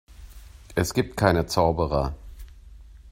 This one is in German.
Es gibt keine Zauberer.